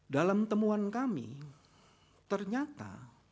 dalam temuan kami ternyata